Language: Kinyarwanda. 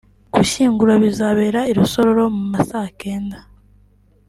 gushyingura bizabera i Rusororo mu ma saa kenda